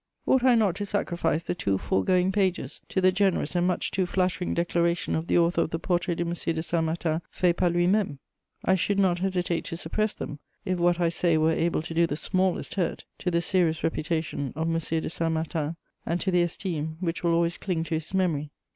Ought I not to sacrifice the two foregoing pages to the generous and much too flattering declaration of the author of the Portrait de M. de Saint Martin fait par lui même? I should not hesitate to suppress them, if what I say were able to do the smallest hurt to the serious reputation of M. de Saint Martin and to the esteem which will always cling to his memory.